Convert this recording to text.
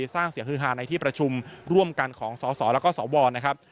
สร้างเสียงฮือฮาในที่ประชุมร่วมกันของสสแล้วก็สวนะครับ